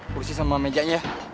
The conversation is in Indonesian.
kursi sama mejanya